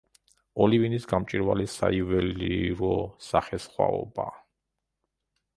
ოლივინის გამჭვირვალე საიუველირო სახესხვაობა.